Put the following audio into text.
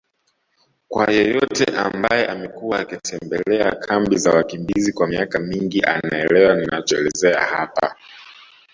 Kwa yeyote ambaye amekuwa akitembelea kambi za wakimbizi kwa miaka mingi anaelewa ninachoelezea hapa